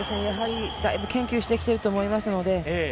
だいぶ研究してきていると思います。